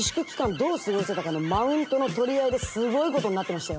どう過ごしてたかのマウントの取り合いですごいことになってましたよ。